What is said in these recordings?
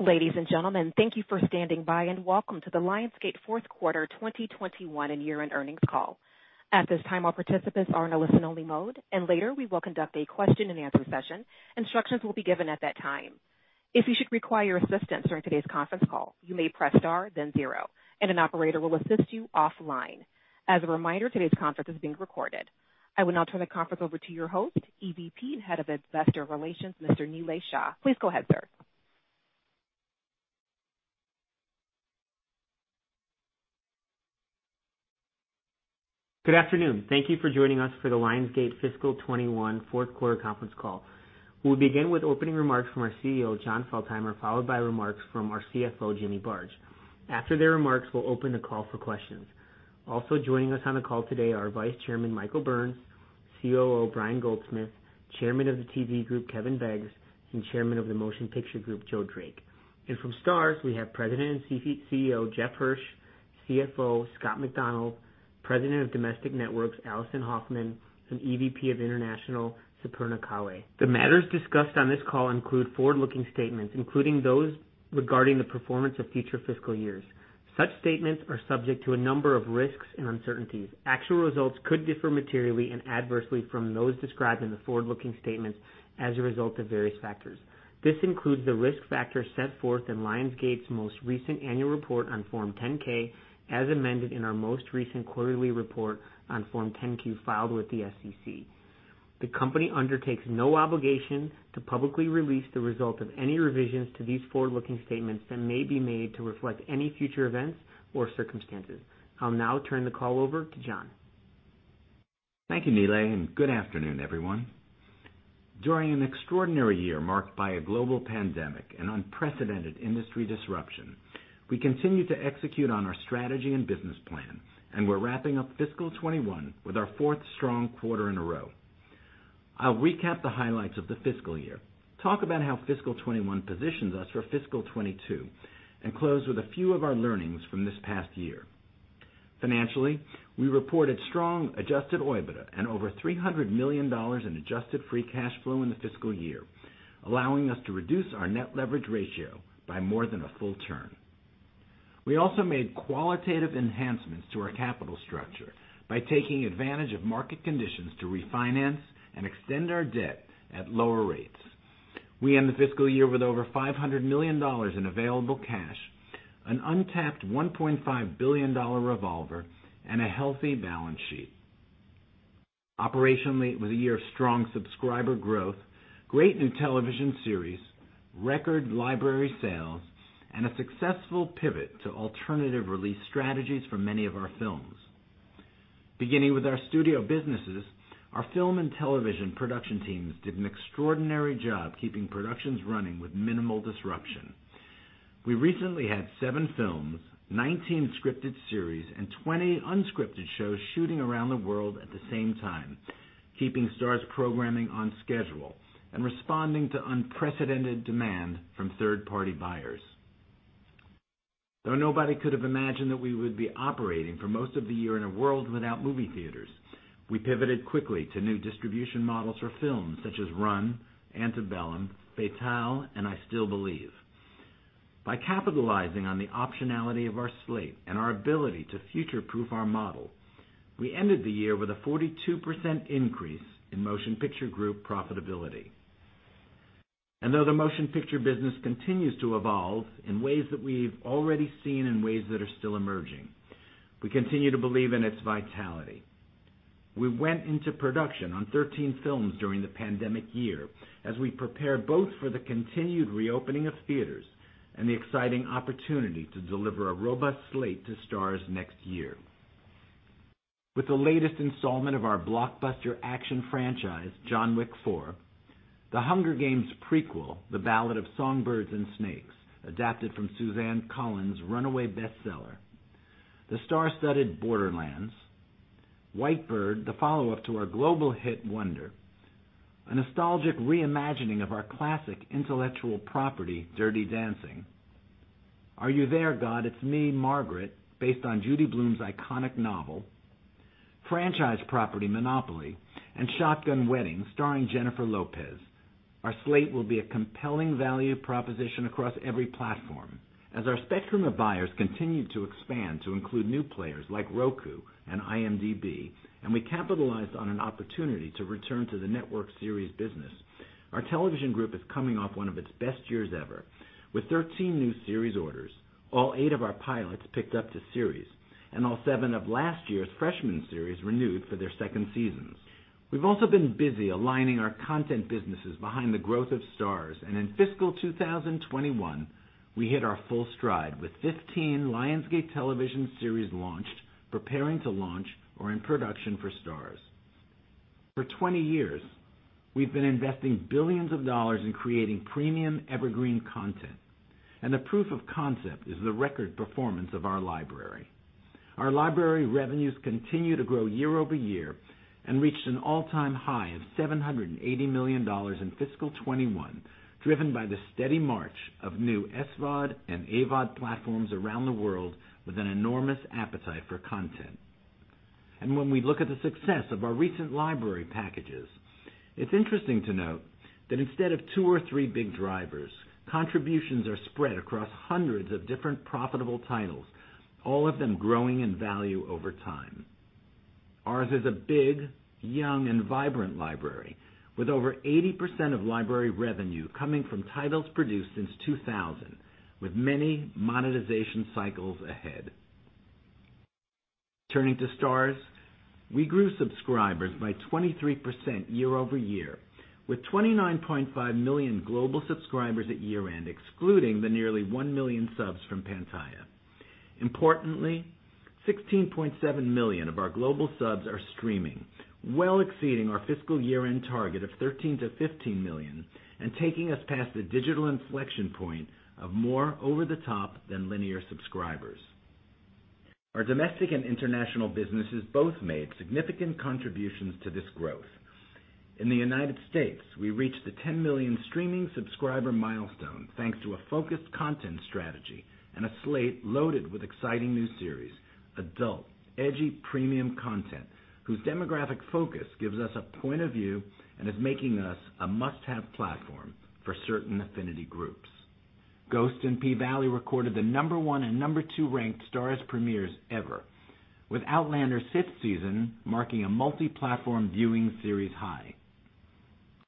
Ladies and gentlemen, thank you for standing by and welcome to the Lionsgate Fourth Quarter 2021 and Year-End Earnings Call. At this time, all participants are in a listen-only mode, and later we will conduct a question-and-answer session. Instructions will be given at that time. If you should require assistance during today’s conference call, you may press star then zero, and an operator will assist you offline. As a reminder, today's conference is being recorded. I will now turn the conference over to your host, EVP, Head of Investor Relations, Mr. Nilay Shah. Please go ahead, sir. Good afternoon. Thank you for joining us for the Lionsgate fiscal 2021 fourth quarter conference call. We'll begin with opening remarks from our CEO, Jon Feltheimer, followed by remarks from our CFO, Jimmy Barge. After their remarks, we'll open the call for questions. Also joining us on the call today are Vice Chairman Michael Burns, COO Brian Goldsmith, Chairman of the TV Group Kevin Beggs, and Chairman of the Motion Picture Group Joe Drake. From Starz, we have President and CEO Jeff Hirsch, CFO Scott MacDonald, President of Domestic Networks Alison Hoffman, and EVP of International Superna Kalle. The matters discussed on this call include forward-looking statements, including those regarding the performance of future fiscal years. Such statements are subject to a number of risks and uncertainties. Actual results could differ materially and adversely from those described in the forward-looking statements as a result of various factors. This includes the risk factors set forth in Lionsgate's most recent annual report on Form 10-K, as amended in our most recent quarterly report on Form 10-Q filed with the SEC. The company undertakes no obligation to publicly release the results of any revisions to these forward-looking statements that may be made to reflect any future events or circumstances. I'll now turn the call over to Jon. Thank you, Nilay, good afternoon, everyone. During an extraordinary year marked by a global pandemic and unprecedented industry disruption, we continued to execute on our strategy and business plans, we're wrapping up fiscal 2021 with our fourth strong quarter in a row. I'll recap the highlights of the fiscal year, talk about how fiscal 2021 positions us for fiscal 2022, close with a few of our learnings from this past year. Financially, we reported strong adjusted OIBDA and over $300 million in adjusted free cash flow in the fiscal year, allowing us to reduce our net leverage ratio by more than a full turn. We also made qualitative enhancements to our capital structure by taking advantage of market conditions to refinance and extend our debt at lower rates. We end the fiscal year with over $500 million in available cash, an untapped $1.5 billion revolver, and a healthy balance sheet. Operationally, it was a year of strong subscriber growth, great new television series, record library sales, and a successful pivot to alternative release strategies for many of our films. Beginning with our studio businesses, our film and television production teams did an extraordinary job keeping productions running with minimal disruption. We recently had seven films, 19 scripted series, and 20 unscripted shows shooting around the world at the same time, keeping Starz programming on schedule and responding to unprecedented demand from third-party buyers. Though nobody could have imagined that we would be operating for most of the year in a world without movie theaters, we pivoted quickly to new distribution models for films such as "Run," "Antebellum," "Fatale," and "I Still Believe." By capitalizing on the optionality of our slate and our ability to future-proof our model, we ended the year with a 42% increase in Motion Picture Group profitability. Though the motion picture business continues to evolve in ways that we've already seen and ways that are still emerging, we continue to believe in its vitality. We went into production on 13 films during the pandemic year as we prepare both for the continued reopening of theaters and the exciting opportunity to deliver a robust slate to Starz next year. With the latest installment of our blockbuster action franchise, "John Wick 4," the "Hunger Games" prequel, "The Ballad of Songbirds & Snakes," adapted from Suzanne Collins' runaway bestseller, the star-studded "Borderlands," "White Bird," the follow-up to our global hit "Wonder," a nostalgic re-imagining of our classic intellectual property, "Dirty Dancing," "Are You There God? It's Me, Margaret," based on Judy Blume's iconic novel, franchise property "Monopoly," and "Shotgun Wedding" starring Jennifer Lopez. Our slate will be a compelling value proposition across every platform. As our spectrum of buyers continue to expand to include new players like Roku and IMDb, and we capitalize on an opportunity to return to the network series business, our television group is coming off one of its best years ever. With 13 new series orders, all eight of our pilots picked up to series, and all seven of last year's freshman series renewed for their second seasons. We've also been busy aligning our content businesses behind the growth of Starz, and in fiscal 2021, we hit our full stride with 15 Lionsgate television series launched, preparing to launch, or in production for Starz. For 20 years, we've been investing billions of dollars in creating premium evergreen content, and the proof of concept is the record performance of our library. Our library revenues continue to grow year-over-year and reached an all-time high of $780 million in fiscal 2021, driven by the steady march of new SVOD and AVOD platforms around the world with an enormous appetite for content. When we look at the success of our recent library packages, it's interesting to note that instead of two or three big drivers, contributions are spread across hundreds of different profitable titles, all of them growing in value over time. Ours is a big, young and vibrant library with over 80% of library revenue coming from titles produced since 2000, with many monetization cycles ahead. Turning to Starz, we grew subscribers by 23% year-over-year, with 29.5 million global subscribers at year end, excluding the nearly one million subs from Pantaya. Importantly, 16.7 million of our global subs are streaming, well exceeding our fiscal year-end target of 13 million-15 million and taking us past the digital inflection point of more over-the-top than linear subscribers. Our domestic and international businesses both made significant contributions to this growth. In the U.S., we reached the 10 million streaming subscriber milestone thanks to a focused content strategy and a slate loaded with exciting new series, adult, edgy, premium content, whose demographic focus gives us a point of view and is making us a must-have platform for certain affinity groups. "Ghost" and "P-Valley" recorded the number one and number two ranked Starz premieres ever, with "Outlander's" fifth season marking a multi-platform viewing series high.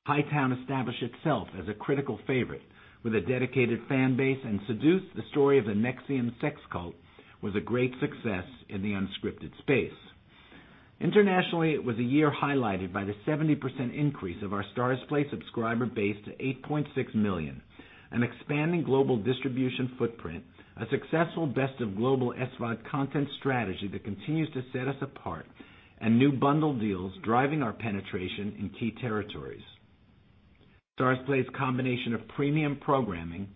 "Hightown" established itself as a critical favorite with a dedicated fan base, and "Seduced," the story of the NXIVM sex cult, was a great success in the unscripted space. Internationally, it was a year highlighted by the 70% increase of our Starzplay subscriber base to 8.6 million, an expanding global distribution footprint, a successful best of global SVOD content strategy that continues to set us apart, and new bundle deals driving our penetration in key territories. Starzplay's combination of premium programming,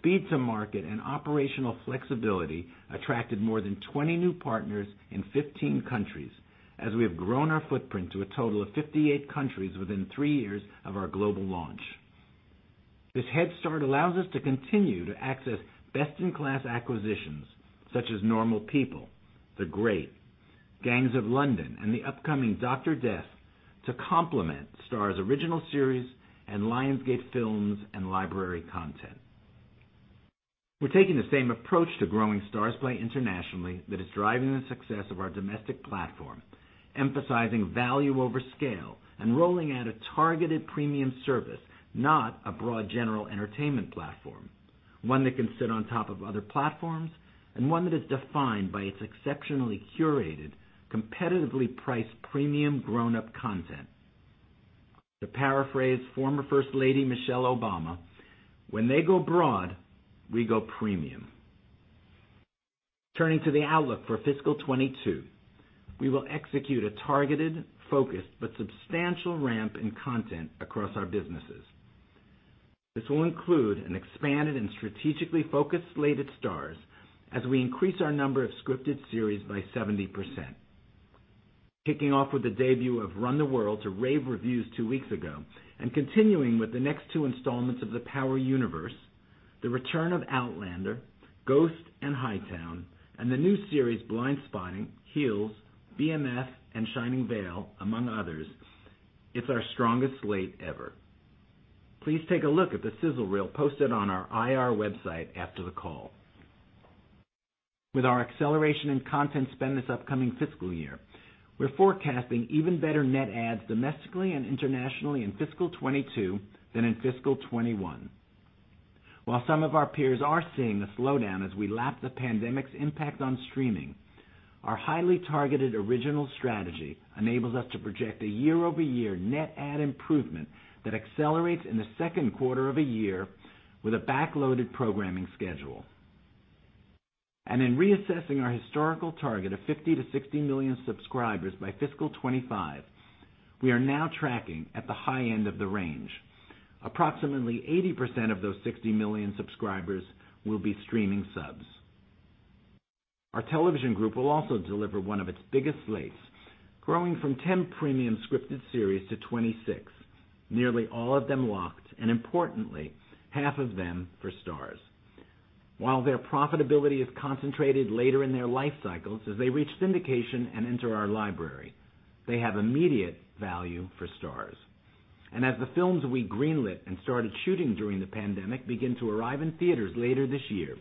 speed to market, and operational flexibility attracted more than 20 new partners in 15 countries, as we have grown our footprint to a total of 58 countries within three years of our global launch. This head start allows us to continue to access best-in-class acquisitions such as "Normal People," "The Great," "Gangs of London," and the upcoming "Dr. Death" to complement Starz original series and Lionsgate films and library content. We're taking the same approach to growing Starzplay internationally that is driving the success of our domestic platform, emphasizing value over scale and rolling out a targeted premium service, not a broad general entertainment platform, one that can sit on top of other platforms, and one that is defined by its exceptionally curated, competitively priced, premium grown-up content. To paraphrase Former First Lady Michelle Obama, when they go broad, we go premium. Turning to the outlook for fiscal 2022, we will execute a targeted, focused, but substantial ramp in content across our businesses. This will include an expanded and strategically focused slate at Starz as we increase our number of scripted series by 70%. Kicking off with the debut of "Run the World" to rave reviews two weeks ago and continuing with the next two installments of the Power Universe, the return of "Outlander," "Ghost," and "Hightown," and the new series "Blindspotting," "Heels," "BMF," and "Shining Vale," among others, it's our strongest slate ever. Please take a look at the sizzle reel posted on our IR website after the call. With our acceleration in content spend this upcoming fiscal year, we're forecasting even better net adds domestically and internationally in fiscal 2022 than in fiscal 2021. While some of our peers are seeing a slowdown as we lap the pandemic's impact on streaming, our highly targeted original strategy enables us to project a year-over-year net add improvement that accelerates in the second quarter of a year with a back-loaded programming schedule. In reassessing our historical target of 50 million-60 million subscribers by fiscal 2025, we are now tracking at the high end of the range. Approximately 80% of those 60 million subscribers will be streaming subs. Our Television Group will also deliver one of its biggest slates, growing from 10 premium scripted series to 26, nearly all of them locked, and importantly, half of them for Starz. While their profitability is concentrated later in their life cycles as they reach syndication and enter our library, they have immediate value for Starz. As the films we greenlit and started shooting during the pandemic begin to arrive in theaters later this year,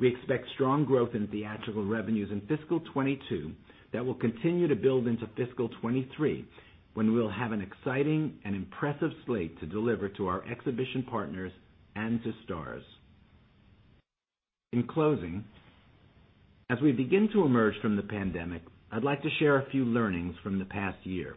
we expect strong growth in theatrical revenues in fiscal 2022 that will continue to build into fiscal 2023, when we'll have an exciting and impressive slate to deliver to our exhibition partners and to Starz. In closing, as we begin to emerge from the pandemic, I'd like to share a few learnings from the past year.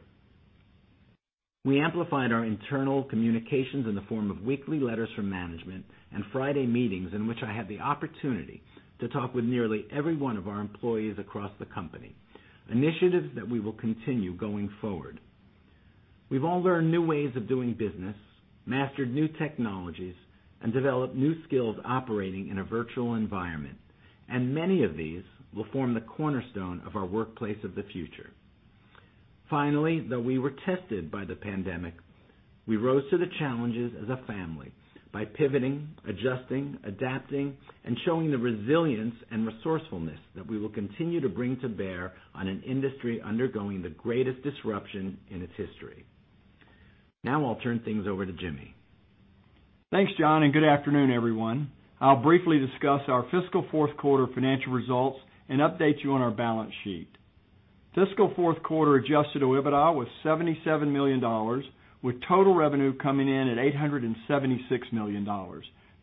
We amplified our internal communications in the form of weekly letters from management and Friday meetings in which I had the opportunity to talk with nearly every one of our employees across the company, initiatives that we will continue going forward. We've all learned new ways of doing business, mastered new technologies, and developed new skills operating in a virtual environment. Many of these will form the cornerstone of our workplace of the future. Finally, though we were tested by the pandemic, we rose to the challenges as a family by pivoting, adjusting, adapting, and showing the resilience and resourcefulness that we will continue to bring to bear on an industry undergoing the greatest disruption in its history. I'll turn things over to Jimmy. Thanks, Jon. Good afternoon, everyone. I'll briefly discuss our fiscal fourth quarter financial results and update you on our balance sheet. Fiscal fourth quarter adjusted OIBDA was $77 million, with total revenue coming in at $876 million,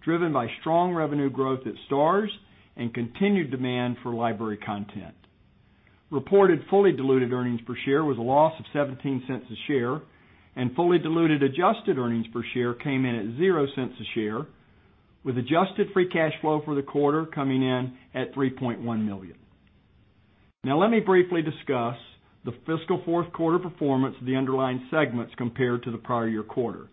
driven by strong revenue growth at Starz and continued demand for library content. Reported fully diluted earnings per share was a loss of $0.17 a share, and fully diluted adjusted earnings per share came in at $0.00 a share, with adjusted free cash flow for the quarter coming in at $3.1 million. Now let me briefly discuss the fiscal fourth quarter performance of the underlying segments compared to the prior year quarter.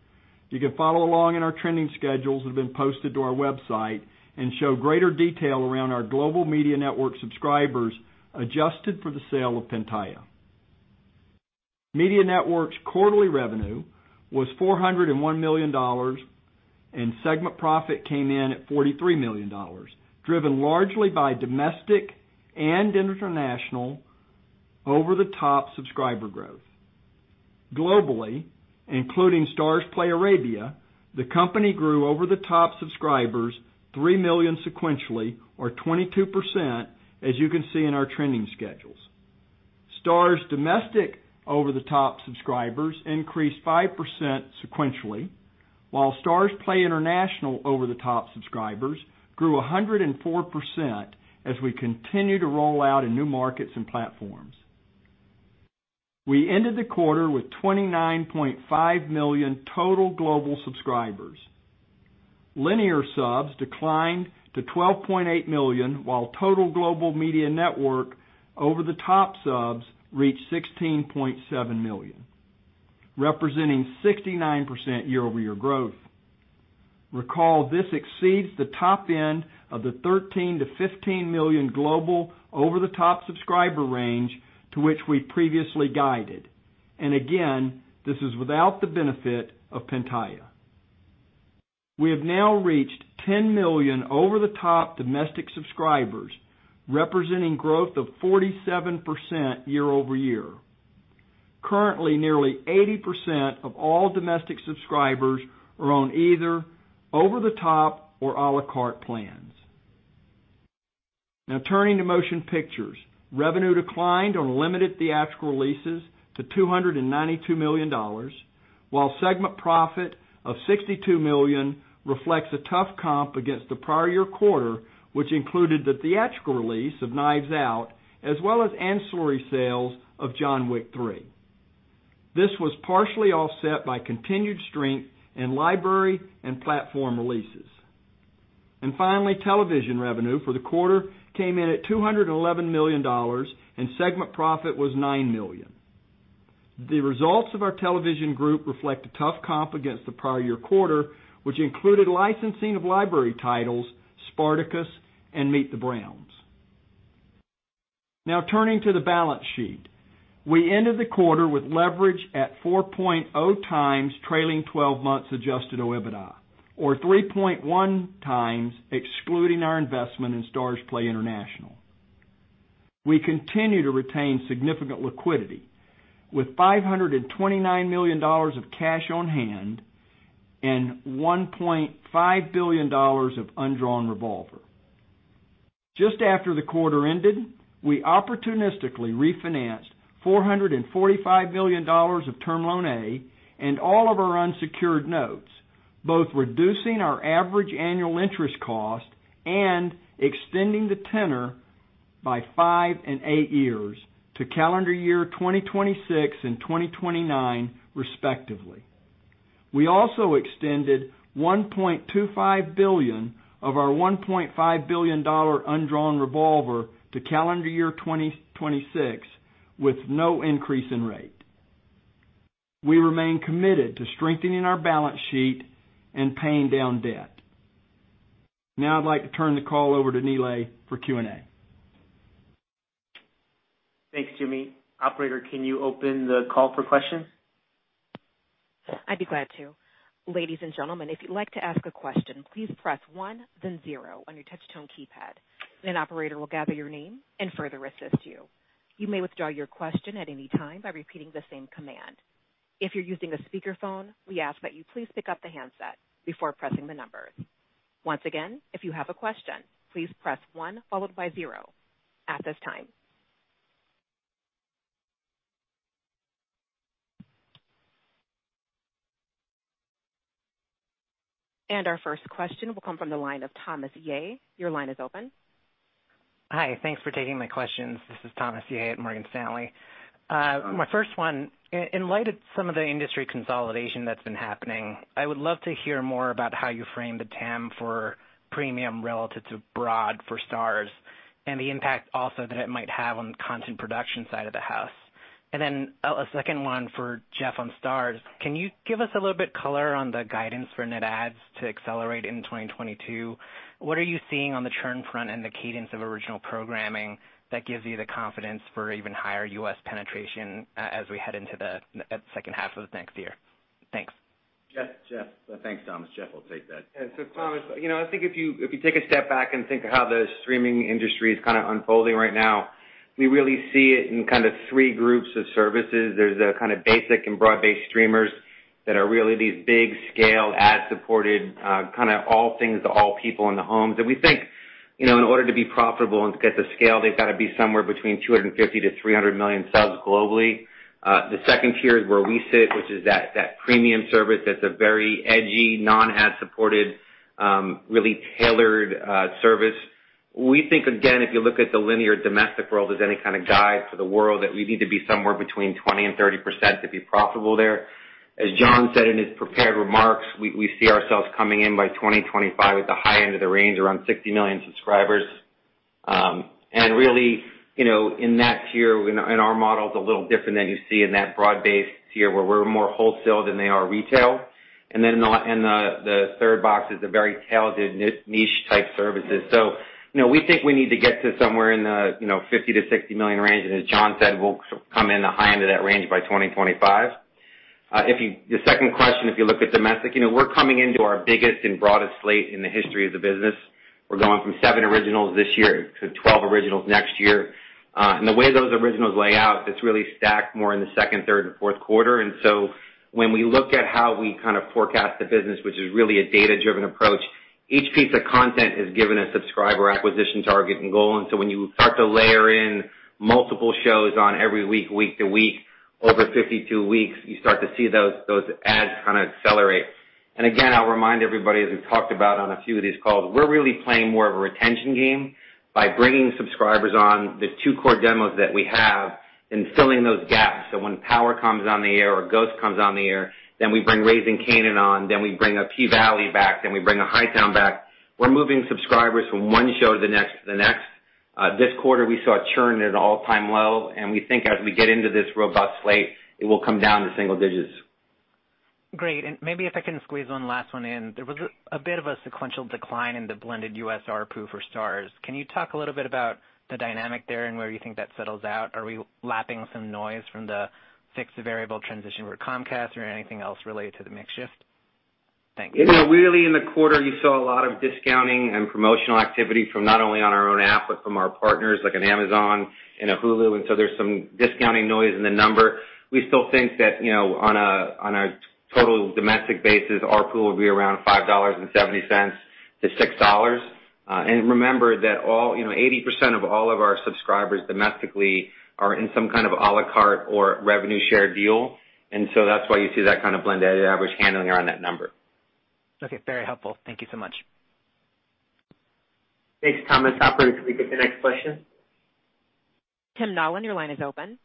You can follow along in our trending schedules that have been posted to our website and show greater detail around our global Media Network subscribers adjusted for the sale of Pantaya. Media Networks' quarterly revenue was $401 million, and segment profit came in at $43 million, driven largely by domestic and international over-the-top subscriber growth. Globally, including Starzplay Arabia, the company grew over-the-top subscribers 3 million sequentially or 22%, as you can see in our trending schedules. Starz domestic over-the-top subscribers increased 5% sequentially, while Starzplay International over-the-top subscribers grew 104% as we continue to roll out in new markets and platforms. We ended the quarter with 29.5 million total global subscribers. Linear subs declined to 12.8 million, while total global Media Networks over-the-top subs reached 16.7 million, representing 69% year-over-year growth. Recall, this exceeds the top end of the 13 million-15 million global over-the-top subscriber range to which we'd previously guided. Again, this is without the benefit of Pantaya. We have now reached 10 million over-the-top domestic subscribers, representing growth of 47% year-over-year. Currently, nearly 80% of all domestic subscribers are on either over-the-top or à la carte plans. Now turning to Motion Picture Group. Revenue declined on limited theatrical releases to $292 million, while segment profit of $62 million reflects a tough comp against the prior year quarter, which included the theatrical release of Knives Out, as well as ancillary sales of John Wick 3. This was partially offset by continued strength in library and platform releases. Finally, Television Group revenue for the quarter came in at $211 million, and segment profit was $9 million. The results of our Television Group reflect a tough comp against the prior year quarter, which included licensing of library titles Spartacus and Meet the Browns. Now turning to the balance sheet. We ended the quarter with leverage at 4.0x trailing 12 months adjusted OIBDA, or 3.1x excluding our investment in Starzplay International. We continue to retain significant liquidity with $529 million of cash on hand and $1.5 billion of undrawn revolver. Just after the quarter ended, we opportunistically refinanced $445 million of Term Loan A and all of our unsecured notes, both reducing our average annual interest cost and extending the tenor by five and eight years to calendar year 2026 and 2029, respectively. We also extended $1.25 billion of our $1.5 billion undrawn revolver to calendar year 2026 with no increase in rate. We remain committed to strengthening our balance sheet and paying down debt. I'd like to turn the call over to Nilay for Q&A. Thanks, Jimmy. Operator, can you open the call for questions? I'd be glad to. Ladies and gentlemen, if you'd like to ask a question, please press one then zero on your touch tone keypad and an operator will gather your name and further assist you. You may withdraw your question at any time by repeating the same command. If you're using a speakerphone, we ask that you please pick up the handset before pressing the numbers. Once again, if you have a question, please press one followed by zero at this time. Our first question will come from the line of Thomas Yeh. Your line is open. Hi. Thanks for taking my questions. This is Thomas Yeh at Morgan Stanley. My first one, in light of some of the industry consolidation that's been happening, I would love to hear more about how you frame the TAM for premium relative to broad for Starz and the impact also that it might have on the content production side of the house? Then a second one for Jeff on Starz. Can you give us a little bit color on the guidance for net adds to accelerate in 2022? What are you seeing on the churn front and the cadence of original programming that gives you the confidence for even higher U.S. penetration, as we head into the second half of next year? Thanks. Jeff. Thanks, Thomas. Jeff will take that. Yeah. Thomas, I think if you take a step back and think of how the streaming industry is kind of unfolding right now, we really see it in kind of three groups of services. There's the kind of basic and broad-based streamers that are really these big scale, ad-supported, kind of all things to all people in the homes. We think, in order to be profitable and to get the scale, they've got to be somewhere between 250 million-300 million subs globally. The second tier is where we sit, which is that premium service that's a very edgy, non-ad supported, really tailored service. We think, again, if you look at the linear domestic world as any kind of guide for the world, that we need to be somewhere between 20%-30% to be profitable there. As Jon said in his prepared remarks, we see ourselves coming in by 2025 at the high end of the range, around 60 million subscribers. Really, in that tier, and our model's a little different than you see in that broad-based tier where we're more wholesale than they are retail. Then the third box is the very tailored niche type services. We think we need to get to somewhere in the 50 million-60 million range. As Jon said, we'll come in the high end of that range by 2025. Your second question, if you look at domestic, we're coming into our biggest and broadest slate in the history of the business. We're going from seven originals this year to 12 originals next year. The way those originals lay out, it's really stacked more in the second, third, and fourth quarter. When we look at how we kind of forecast the business, which is really a data-driven approach, each piece of content is given a subscriber acquisition target and goal. When you start to layer in multiple shows on every week to week, over 52 weeks, you start to see those adds kind of accelerate. Again, I'll remind everybody, as we've talked about on a few of these calls, we're really playing more of a retention game by bringing subscribers on the two core demos that we have and filling those gaps. When "Power" comes on the air or "Ghost" comes on the air, then we bring "Raising Kanan" on, then we bring a "P-Valley" back, then we bring a "Hightown" back. We're moving subscribers from one show to the next, to the next. This quarter, we saw churn at an all-time low, and we think as we get into this robust slate, it will come down to single digits. Great. Maybe if I can squeeze one last one in. There was a bit of a sequential decline in the blended U.S. ARPU for Starz. Can you talk a little bit about the dynamic there and where you think that settles out? Are we lapping some noise from the fixed variable transition with Comcast or anything else related to the mix shift? Thanks. Really, in the quarter, you saw a lot of discounting and promotional activity from not only on our own app, but from our partners, like an Amazon and a Hulu. There's some discounting noise in the number. We still think that, on a total domestic basis, ARPU will be around $5.70-$6. Remember that 80% of all of our subscribers domestically are in some kind of a la carte or revenue share deal. That's why you see that kind of blended average handling around that number. Okay. Very helpful. Thank you so much. Thanks, Thomas. Operator, can we get the next question? Tim Nollen, your line is open.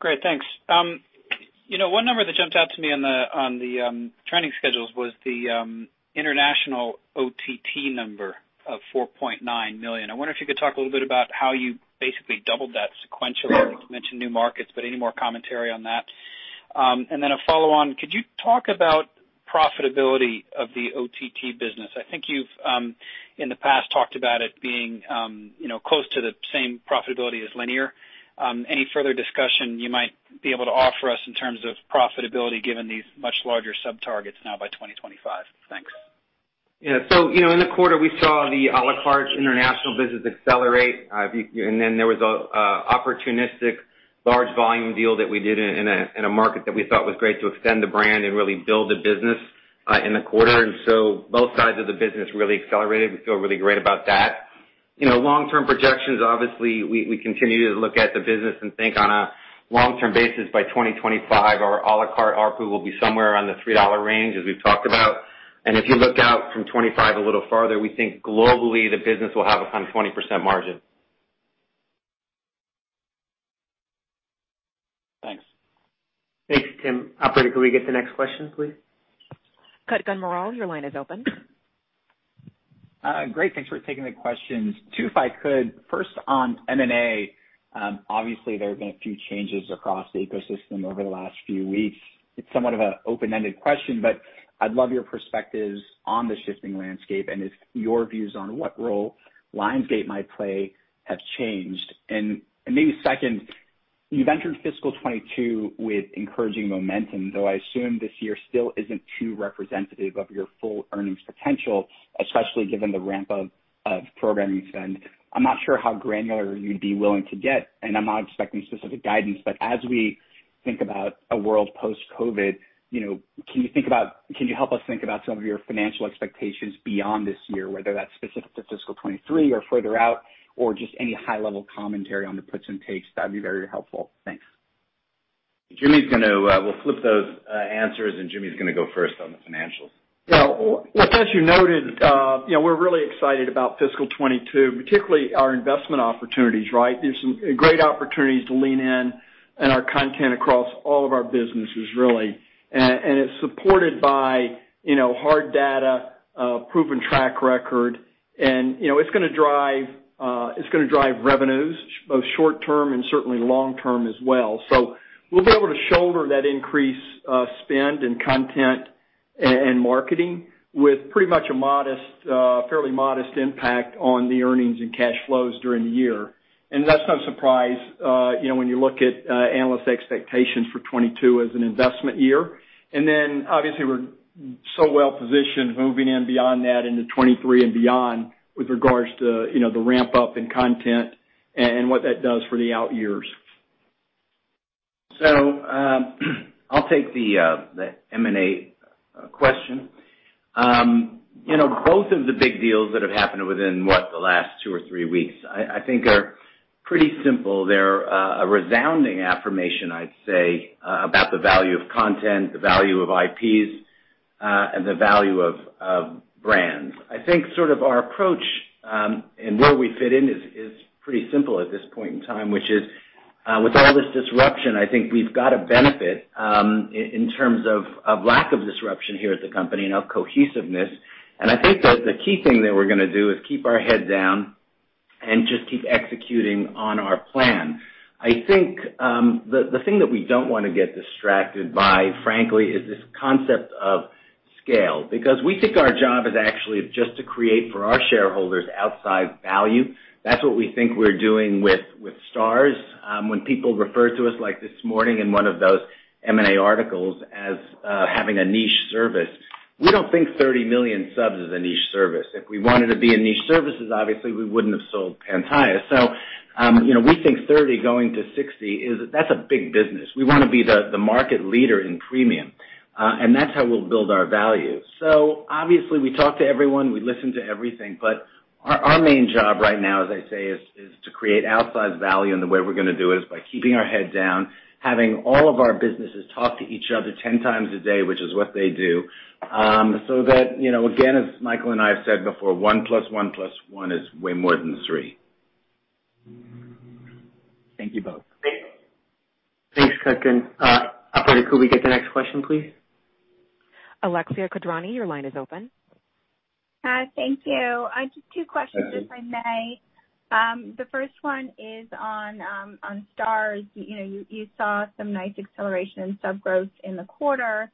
Great, thanks. One number that jumped out to me on the trending schedules was the international OTT number of 4.9 million. I wonder if you could talk a little bit about how you basically doubled that sequentially. You mentioned new markets, but any more commentary on that? A follow-on, could you talk about profitability of the OTT business? I think you've, in the past, talked about it being close to the same profitability as linear. Any further discussion you might be able to offer us in terms of profitability, given these much larger sub targets now by 2025? Thanks. In the quarter, we saw the a la carte international business accelerate. There was an opportunistic large volume deal that we did in a market that we thought was great to extend the brand and really build the business in the quarter. Both sides of the business really accelerated. We feel really great about that. Long-term projections, obviously, we continue to look at the business and think on a long-term basis by 2025, our a la carte ARPU will be somewhere around the $3 range, as we've talked about. If you look out from 2025 a little farther, we think globally, the business will have a 20% margin. Thanks. Thanks, Tim. Operator, could we get the next question, please? Kutgun Maral, your line is open. Great. Thanks for taking the questions. Two, if I could. First on M&A. Obviously, there have been a few changes across the ecosystem over the last few weeks. It's somewhat of an open-ended question, but I'd love your perspectives on the shifting landscape and if your views on what role Lionsgate might play have changed. Maybe second, you've entered fiscal 2022 with encouraging momentum, though I assume this year still isn't too representative of your full earnings potential, especially given the ramp of programming spend. I'm not sure how granular you'd be willing to get, and I'm not expecting specific guidance, but as we think about a world post-COVID, can you help us think about some of your financial expectations beyond this year, whether that's specific to fiscal 2023 or further out, or just any high level commentary on the puts and takes? That'd be very helpful. Thanks. We'll flip those answers, and Jimmy's going to go first on the financials. Yeah. Well, as you noted, we're really excited about fiscal 2022, particularly our investment opportunities, right? There's some great opportunities to lean in in our content across all of our businesses, really. It's supported by hard data, proven track record, and it's going to drive revenues, both short-term and certainly long-term as well. We'll be able to shoulder that increased spend and content and marketing with pretty much a fairly modest impact on the earnings and cash flows during the year. That's no surprise when you look at analyst expectations for 2022 as an investment year. Obviously we're so well-positioned moving in beyond that into 2023 and beyond with regards to the ramp-up in content and what that does for the out years. I'll take the M&A question. Both of the big deals that have happened within the last two or three weeks, I think are pretty simple. They're a resounding affirmation, I'd say, about the value of content, the value of IPs, and the value of brands. I think sort of our approach and where we fit in is pretty simple at this point in time, which is, with all this disruption, I think we've got a benefit in terms of lack of disruption here at the company and our cohesiveness. I think that the key thing that we're going to do is keep our head down and just keep executing on our plan. I think the thing that we don't want to get distracted by, frankly, is this concept of scale. We think our job is actually just to create for our shareholders outsized value. That's what we think we're doing with Starz. When people refer to us like this morning in one of those M&A articles as having a niche service, we don't think 30 million subs is a niche service. If we wanted to be a niche service, obviously we wouldn't have sold Pantaya. We think 30 million going to 60 million, that's a big business. We want to be the market leader in premium. That's how we'll build our value. Obviously we talk to everyone, we listen to everything, but our main job right now, as I say, is to create outsized value. The way we're going to do it is by keeping our head down, having all of our businesses talk to each other 10 times a day, which is what they do. That, again, as Michael and I have said before, 1 + 1 + 1 is way more than three. Thank you both. Thanks, Kutgun. Operator, could we get the next question, please? Alexia Quadrani, your line is open. Thank you. Just two questions, if I may. The first one is on Starz. You saw some nice acceleration in sub growth in the quarter,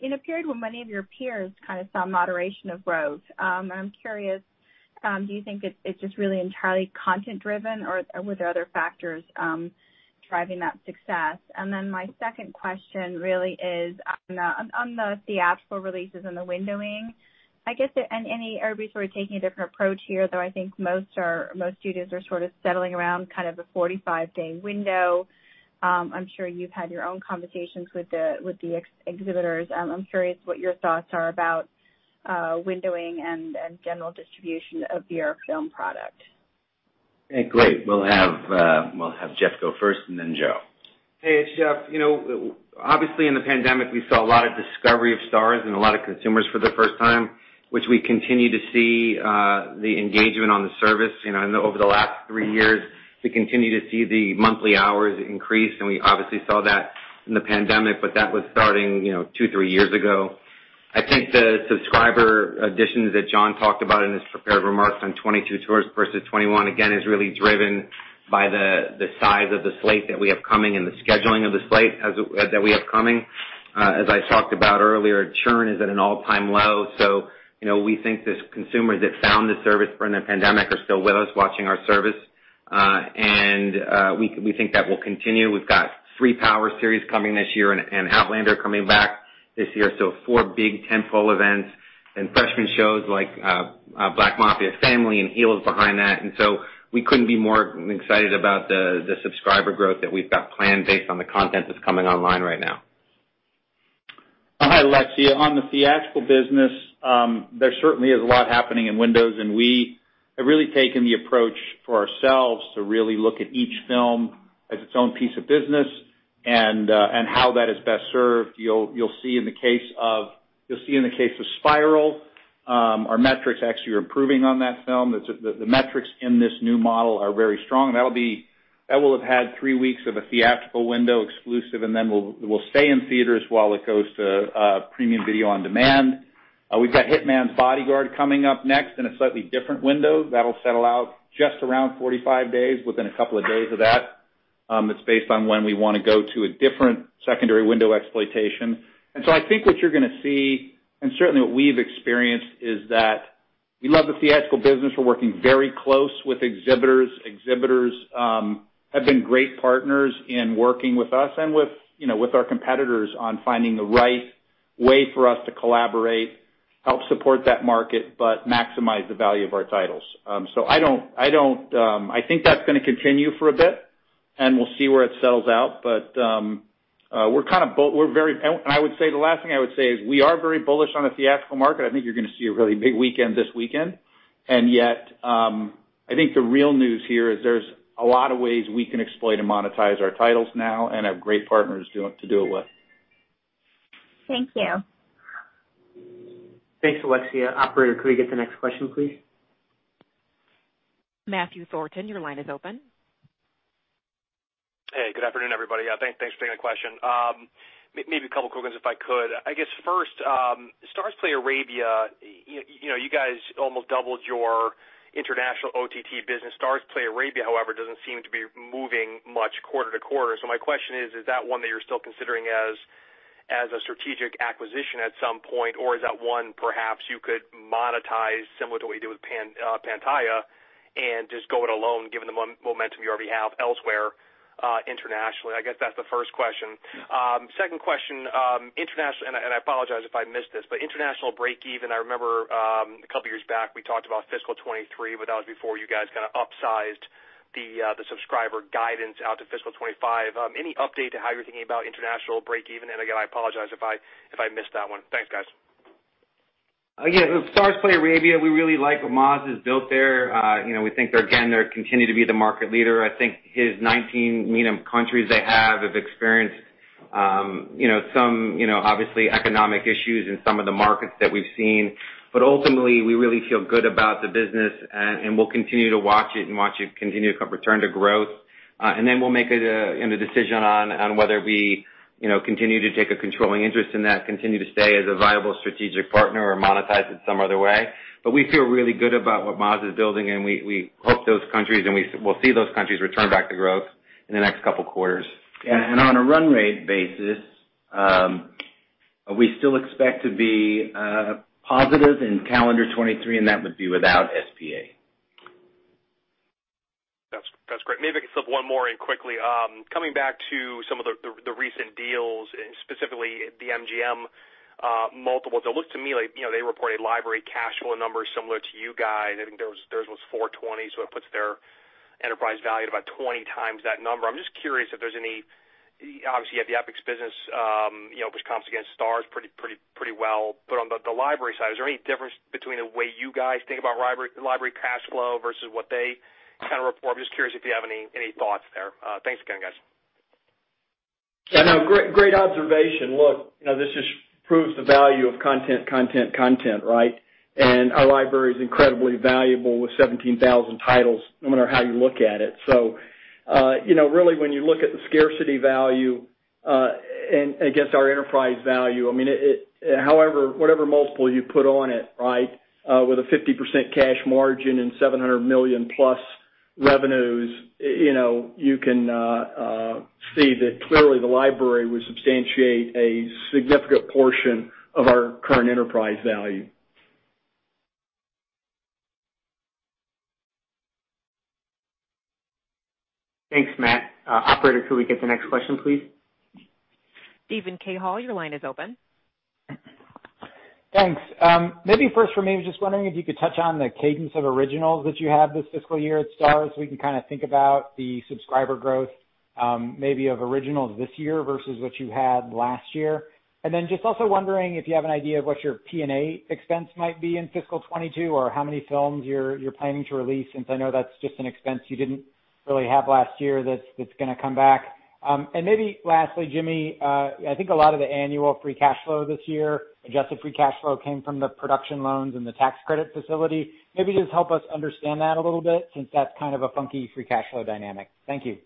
in a period where many of your peers kind of saw moderation of growth. I'm curious, do you think it's just really entirely content driven or were there other factors driving that success? My second question really is on the theatrical releases and the windowing. I guess that any, are we taking a different approach here, though I think most studios are sort of settling around kind of a 45-day window. I'm sure you've had your own conversations with the exhibitors. I'm curious what your thoughts are about windowing and general distribution of your film product. Hey, great. We'll have Jeff go first and then Joe. Hey, it's Jeff. Obviously in the pandemic, we saw a lot of discovery of Starz and a lot of consumers for the first time, which we continue to see the engagement on the service. Over the last three years, we continue to see the monthly hours increase, and we obviously saw that in the pandemic, but that was starting two, three years ago. I think the subscriber additions that Jon talked about in his prepared remarks on 2022 versus 2021, again, is really driven by the size of the slate that we have coming and the scheduling of the slate that we have coming. As I talked about earlier, churn is at an all-time low. We think the consumers that found the service during the pandemic are still with us, watching our service. We think that will continue. We've got three Power series coming this year and "Outlander" coming back this year. Four big tentpole events and freshman shows like "Black Mafia Family" and "Heels" behind that. We couldn't be more excited about the subscriber growth that we've got planned based on the content that's coming online right now. Hi, Alexia. On the theatrical business, there certainly is a lot happening in windows, and we have really taken the approach for ourselves to really look at each film as its own piece of business and how that is best served. You'll see in the case of "Spiral," our metrics actually are improving on that film. The metrics in this new model are very strong. That will have had three weeks of a theatrical window exclusive, and then will stay in theaters while it goes to premium video on demand. We've got "Hitman's Bodyguard" coming up next in a slightly different window. That'll settle out just around 45 days, within a couple of days of that. It's based on when we want to go to a different secondary window exploitation. I think what you're going to see, and certainly what we've experienced, is that we love the theatrical business. We're working very close with exhibitors. Exhibitors have been great partners in working with us and with our competitors on finding the right way for us to collaborate, help support that market, but maximize the value of our titles. I think that's going to continue for a bit, and we'll see where it settles out. The last thing I would say is we are very bullish on the theatrical market. I think you're going to see a really big weekend this weekend. Yet, I think the real news here is there's a lot of ways we can exploit and monetize our titles now and have great partners to do it with. Thank you. Thanks, Alexia. Operator, could we get the next question, please? Matthew Thornton, your line is open. Hey, good afternoon, everybody. Thanks for taking the question. Maybe a couple quick ones if I could. I guess first Starzplay Arabia, you guys almost doubled your international OTT business. Starzplay Arabia, however, doesn't seem to be moving much quarter to quarter. My question is that one that you're still considering as a strategic acquisition at some point, or is that one perhaps you could monetize similar to what you did with Pantaya and just go it alone, given the momentum you already have elsewhere internationally? I guess that's the first question. Second question. I apologize if I missed this, but international breakeven. I remember a couple years back, we talked about fiscal 2023, but that was before you guys upsized the subscriber guidance out to fiscal 2025. Any update to how you're thinking about international breakeven? Again, I apologize if I missed that one. Thanks, guys. Again, with Starzplay Arabia, we really like what Maaz has built there. We think they're, again, they continue to be the market leader. I think the 19 countries they have have experienced some obviously economic issues in some of the markets that we've seen. Ultimately, we really feel good about the business, and we'll continue to watch it and watch it continue to return to growth. Then we'll make a decision on whether we continue to take a controlling interest in that, continue to stay as a viable strategic partner, or monetize it some other way. We feel really good about what Maaz is building, and we hope those countries, and we'll see those countries return back to growth in the next couple of quarters. On a run rate basis, we still expect to be positive in calendar 2023, and that would be without SPA. That's great. Maybe just one more and quickly. Coming back to some of the recent deals, specifically the MGM multiples. It looks to me like they report a library cash flow numbers similar to you guys. I think theirs was $420s, so it puts their enterprise value about 20x that number. I'm just curious if there's obviously, the Epix business, which comps against Starz pretty well. On the library side, is there any difference between the way you guys think about library cash flow versus what they kind of report? I'm just curious if you have any thoughts there. Thanks again, guys. Yeah, no, great observation. Look, this just proves the value of content, content, right? Our library's incredibly valuable with 17,000 titles, no matter how you look at it. Really when you look at the scarcity value against our enterprise value, however, whatever multiple you put on it, with a 50% cash margin and $700 million plus revenues you can see that clearly the library would substantiate a significant portion of our current enterprise value. Thanks, Matt. Operator, could we get the next question, please? Steven Cahall, your line is open. Thanks. Maybe first for me, just wondering if you could touch on the cadence of originals that you have this fiscal year at Starz. We can think about the subscriber growth maybe of originals this year versus what you had last year. Then just also wondering if you have an idea of what your P&A expense might be in fiscal 2022, or how many films you're planning to release, since I know that's just an expense you didn't really have last year that's going to come back. Maybe lastly, Jimmy, I think a lot of the annual free cash flow this year, adjusted free cash flow came from the production loans and the tax credit facility. Maybe just help us understand that a little bit, since that's kind of a funky free cash flow dynamic. Thank you.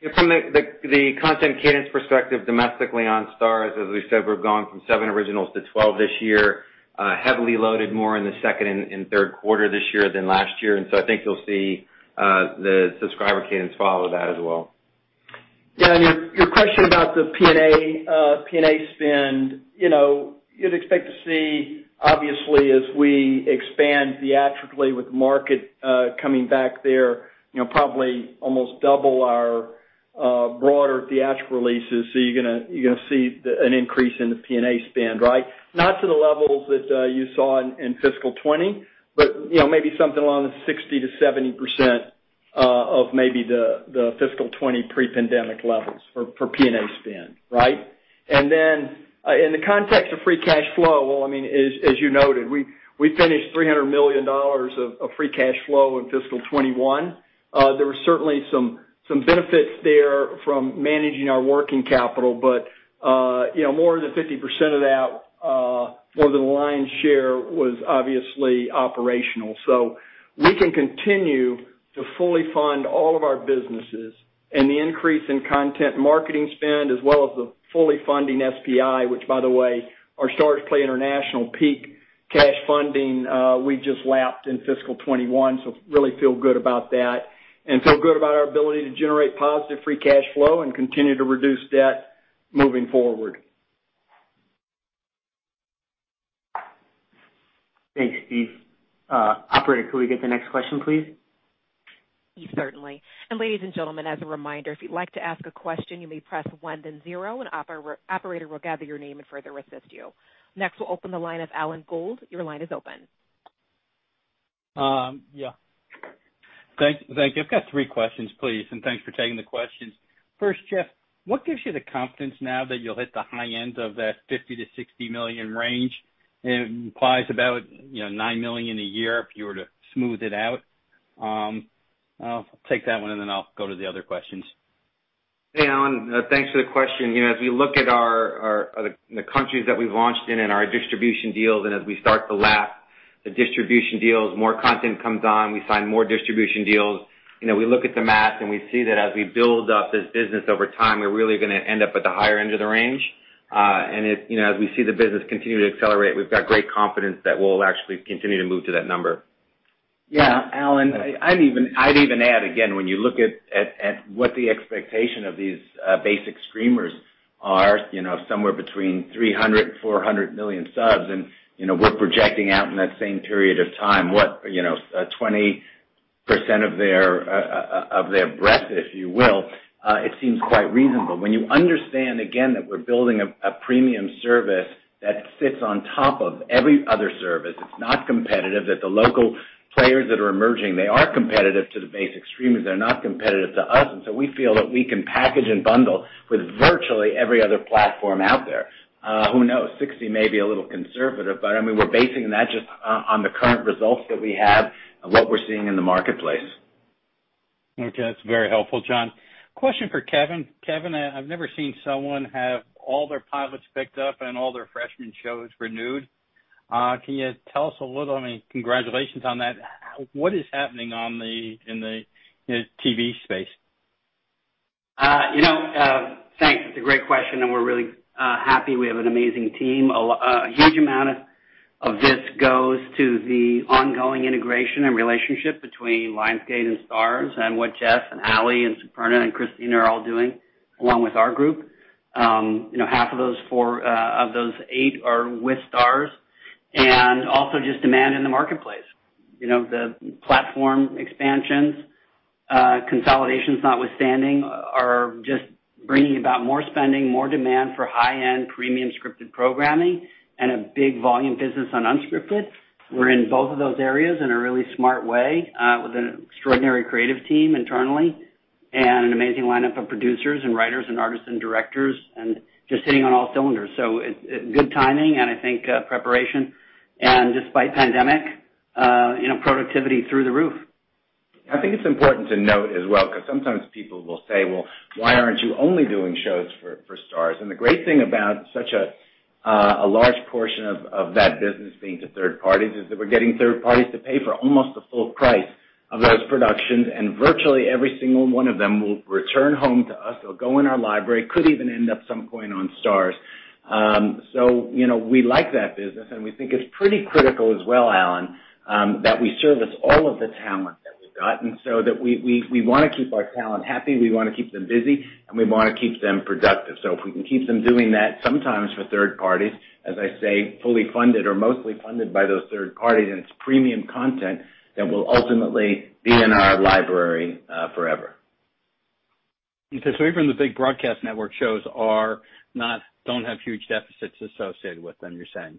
Yeah, from the content cadence perspective domestically on Starz, as we said, we've gone from seven originals to 12 this year. Heavily loaded more in the second and third quarter this year than last year. I think you'll see the subscriber cadence follow that as well. Your question about the P&A spend. You'd expect to see, obviously, as we expand theatrically with market coming back there, probably almost double our broader theatrical releases. You're going to see an increase in the P&A spend. Not to the levels that you saw in fiscal 2020, but maybe something on the 60%-70% of maybe the fiscal 2020 pre-pandemic levels for P&A spend. In the context of free cash flow, as you noted, we finished $300 million of free cash flow in fiscal 2021. There was certainly some benefits there from managing our working capital. More than 50% of that, more than the lion's share was obviously operational. We can continue to fully fund all of our businesses and the increase in content marketing spend, as well as the fully funding SPI, which, by the way, our Starzplay International peak cash funding, we just lapped in fiscal 2021, so really feel good about that. Feel good about our ability to generate positive free cash flow and continue to reduce debt moving forward. Thanks, Steve. Operator, could we get the next question, please? Yes, certainly. Ladies and gentlemen, as a reminder, if you'd like to ask a question, you may press one then zero and operator will gather your name and further assist you. Next, we'll open the line of Alan Gould. Your line is open. Yeah. Thanks. I've got three questions, please, and thanks for taking the questions. First, Jeff, what gives you the confidence now that you'll hit the high end of that 50 million-60 million range? It implies about 9 million a year if you were to smooth it out. I'll take that one, and then I'll go to the other questions. Alan, thanks for the question. As we look at the countries that we've launched in our distribution deals, and as we start to lap. The distribution deals, more content comes on, we sign more distribution deals. We look at the math and we see that as we build up this business over time, we're really going to end up at the higher end of the range. As we see the business continue to accelerate, we've got great confidence that we'll actually continue to move to that number. Yeah, Alan, I'd even add again, when you look at what the expectation of these basic streamers are, somewhere between 300 million, 400 million subs, and we're projecting out in that same period of time, what 20% of their breadth, if you will, it seems quite reasonable. When you understand again that we're building a premium service that sits on top of every other service, it's not competitive, that the local players that are emerging, they are competitive to the basic streamers. They're not competitive to us. We feel that we can package and bundle with virtually every other platform out there. Who knows? 60 million may be a little conservative, but we're basing that just on the current results that we have and what we're seeing in the marketplace. Okay. That's very helpful, Jon. Question for Kevin. Kevin, I've never seen someone have all their pilots picked up and all their freshman shows renewed. Can you tell us congratulations on that. What is happening in the TV space? Thanks. It's a great question, and we're really happy. We have an amazing team. A huge amount of this goes to the ongoing integration and relationship between Lionsgate and Starz, and what Jeff and Ali and Superna and Christine are all doing, along with our group. Half of those eight are with Starz. Also just demand in the marketplace. The platform expansions, consolidations notwithstanding, are just bringing about more spending, more demand for high-end premium scripted programming and a big volume business on unscripted. We're in both of those areas in a really smart way, with an extraordinary creative team internally and an amazing lineup of producers and writers and artists and directors and just hitting on all cylinders. It's good timing and I think preparation. Despite pandemic, productivity through the roof. I think it's important to note as well, because sometimes people will say, "Well, why aren't you only doing shows for Starz?" The great thing about such a large portion of that business being to third parties is that we're getting third parties to pay for almost the full price of those productions, and virtually every single one of them will return home to us or go in our library, could even end up some point on Starz. We like that business, and we think it's pretty critical as well, Alan, that we service all of the talent that we've got, and so that we want to keep our talent happy, we want to keep them busy, and we want to keep them productive. If we can keep them doing that, sometimes for third parties, as I say, fully funded or mostly funded by those third parties, and it's premium content that will ultimately be in our library forever. Okay. Even the big broadcast network shows don't have huge deficits associated with them, you're saying?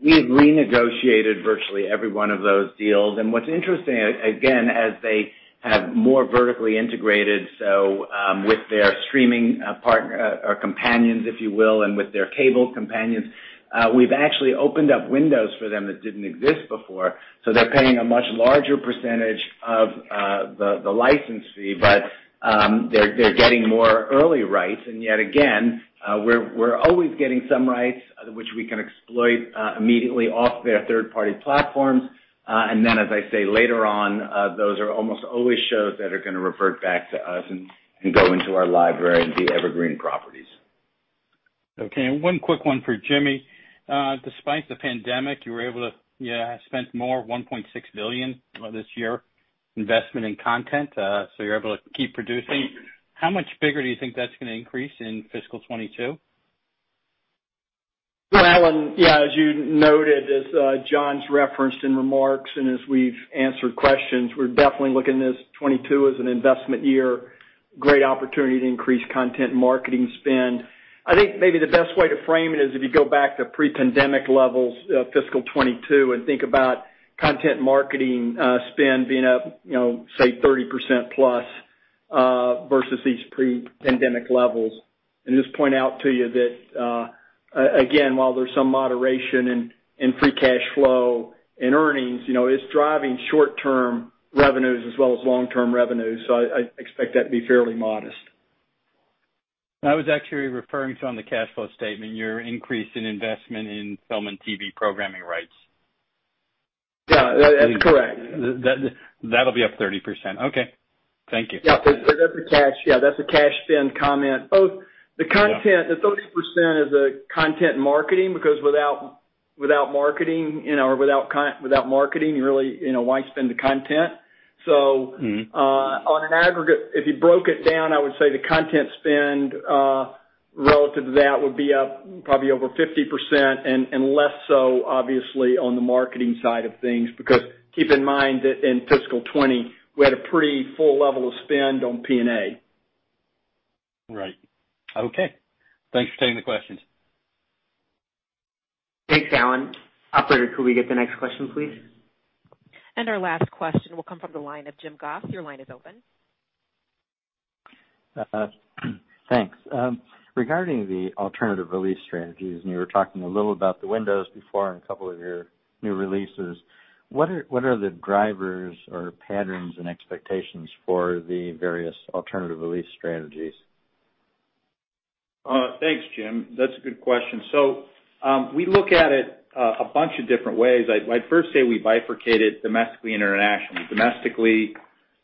We've renegotiated virtually every one of those deals. What's interesting, again, as they have more vertically integrated, so with their streaming partner or companions, if you will, and with their cable companions, we've actually opened up windows for them that didn't exist before. They're paying a much larger percentage of the license fee, but they're getting more early rights. Yet again, we're always getting some rights which we can exploit immediately off their third-party platforms. Then, as I say, later on, those are almost always shows that are going to revert back to us and go into our library, the evergreen properties. Okay. One quick one for Jimmy. Despite the pandemic, you were able to, yeah, spend more, $1.6 billion this year, investment in content, so you're able to keep producing. How much bigger do you think that's going to increase in fiscal 2022? Well, Alan, yeah, as you noted, as Jon's referenced in remarks and as we've answered questions, we're definitely looking at this 2022 as an investment year, great opportunity to increase content marketing spend. I think maybe the best way to frame it is if you go back to pre-pandemic levels, fiscal 2022, and think about content marketing spend being up, say 30%+, versus these pre-pandemic levels. Just point out to you that, again, while there's some moderation in free cash flow and earnings, it's driving short-term revenues as well as long-term revenues. I expect that to be fairly modest. I was actually referring to on the cash flow statement, your increase in investment in film and TV programming rights. Yeah. That's correct. That'll be up 30%. Okay. Thank you. Yeah. That's a cash spend comment. Yeah The 30% is a content marketing because without marketing, why spend the content? On an aggregate, if you broke it down, I would say the content spend relative to that would be up probably over 50% and less so obviously on the marketing side of things. Keep in mind that in fiscal 2020, we had a pretty full level of spend on P&A. Right. Okay. Thanks for taking the questions. Thanks, Alan. Operator, could we get the next question, please? Our last question will come from the line of Jim Goss. Your line is open. Thanks. Regarding the alternative release strategies, and you were talking a little about the windows before in a couple of your new releases. What are the drivers or patterns and expectations for the various alternative release strategies? Thanks, Jim. That's a good question. We look at it a bunch of different ways. I'd first say we bifurcated domestically, internationally. Domestically,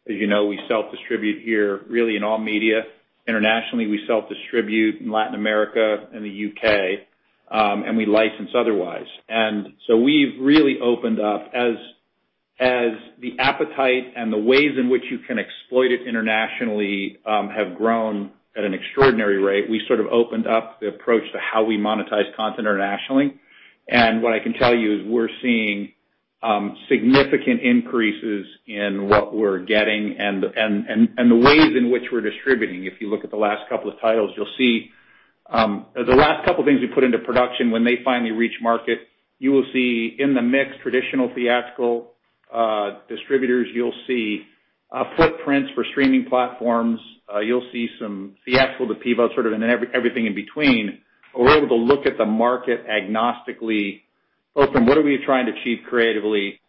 as you know, we self-distribute here really in all media. Internationally, we self-distribute in Latin America and the U.K., and we license otherwise. We've really opened up. As the appetite and the ways in which you can exploit it internationally have grown at an extraordinary rate, we sort of opened up the approach to how we monetize content internationally. What I can tell you is we're seeing significant increases in what we're getting and the ways in which we're distributing. If you look at the last couple of titles, you'll see the last couple things we put into production, when they finally reach market, you will see in the mix traditional theatrical distributors. You'll see footprints for streaming platforms. You'll see some theatrical to PVOD sort of, and everything in between, where we're able to look at the market agnostically from what are we trying to achieve creatively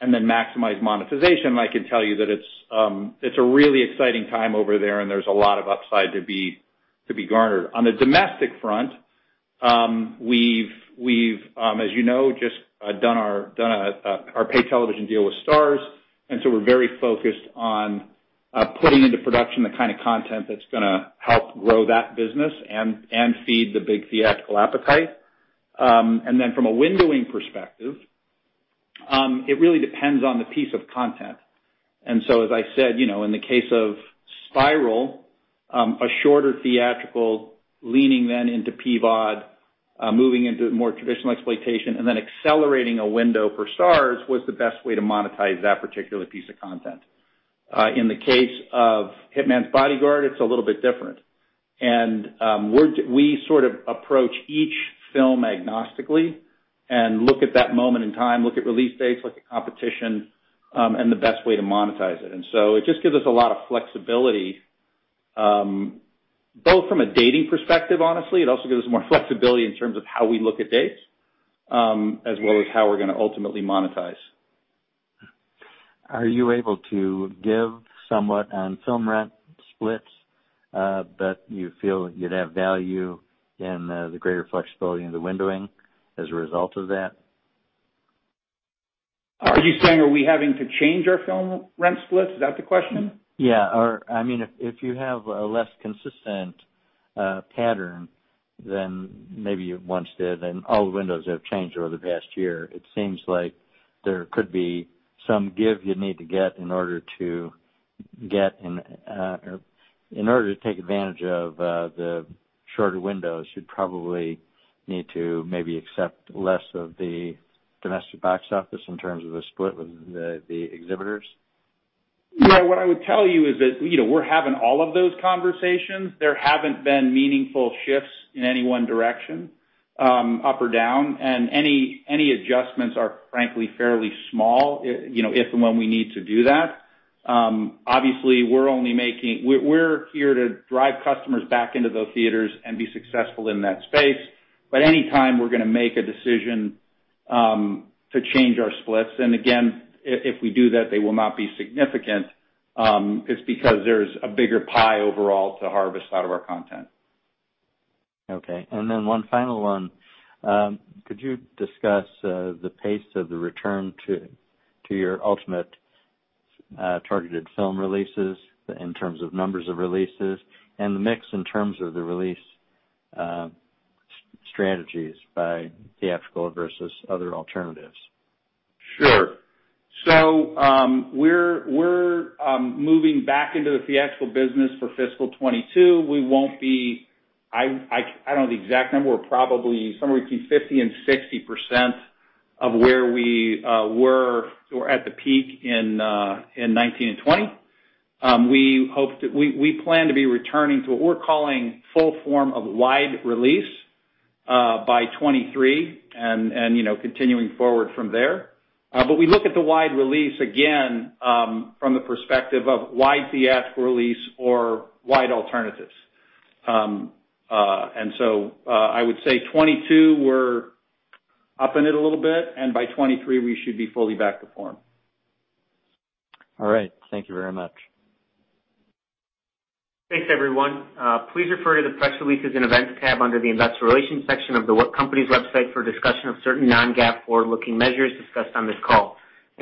and then maximize monetization. I can tell you that it's a really exciting time over there, and there's a lot of upside to be garnered. On the domestic front, we've, as you know, just done our pay television deal with Starz, and so we're very focused on putting into production the kind of content that's going to help grow that business and feed the big theatrical appetite. From a windowing perspective, it really depends on the piece of content. As I said, in the case of "Spiral," a shorter theatrical leaning then into PVOD, moving into more traditional exploitation and then accelerating a window for Starz was the best way to monetize that particular piece of content. In the case of "The Hitman's Bodyguard," it's a little bit different. We sort of approach each film agnostically and look at that moment in time, look at release dates, look at competition, and the best way to monetize it. It just gives us a lot of flexibility, both from a dating perspective, honestly. It also gives us more flexibility in terms of how we look at dates, as well as how we're going to ultimately monetize. Are you able to give somewhat on film rent splits that you feel you'd have value in the greater flexibility in the windowing as a result of that? Are you saying, are we having to change our film rent splits? Is that the question? Yeah. If you have a less consistent pattern than maybe you once did, and all the windows have changed over the past year, it seems like there could be some give you need to get in order to take advantage of the shorter windows. You'd probably need to maybe accept less of the domestic box office in terms of the split with the exhibitors. Yeah. What I would tell you is that we're having all of those conversations. There haven't been meaningful shifts in any one direction, up or down, and any adjustments are frankly fairly small if and when we need to do that. Obviously, we're here to drive customers back into those theaters and be successful in that space. Any time we're going to make a decision to change our splits, and again, if we do that, they will not be significant, it's because there's a bigger pie overall to harvest out of our content. Okay. One final one. Could you discuss the pace of the return to your ultimate targeted film releases in terms of numbers of releases and the mix in terms of the release strategies by theatrical versus other alternatives? Sure. We're moving back into the theatrical business for fiscal 2022. I don't know the exact number. We're probably somewhere between 50% and 60% of where we were at the peak in 2019 and 2020. We plan to be returning to what we're calling full form of wide release by 2023 and continuing forward from there. We look at the wide release, again, from the perspective of wide theatrical release or wide alternatives. I would say 2022, we're upping it a little bit, and by 2023, we should be fully back to form. All right. Thank you very much. Thanks, everyone. Please refer to the Press Releases and Events tab under the Investor Relations section of the company's website for a discussion of certain non-GAAP forward-looking measures discussed on this call.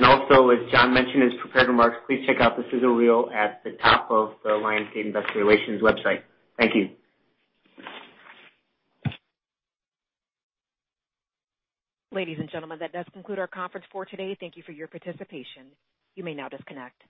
Also, as Jon mentioned in his prepared remarks, please check out the sizzle reel at the top of the Lionsgate Investor Relations website. Thank you. Ladies and gentlemen, that does conclude our conference for today. Thank you for your participation. You may now disconnect.